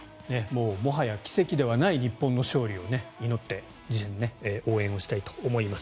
もはや奇跡ではない日本の勝利を祈って次戦、応援をしたいと思います。